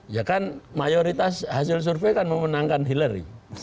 ya kan mayoritas hasil survei kan memenangkan hillary